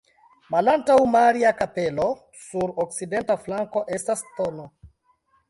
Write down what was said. Malantaŭ Maria-kapelo sur okcidenta flanko estas tn.